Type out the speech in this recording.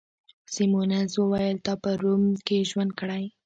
سیمونز وویل: تا په روم کي ژوند کړی؟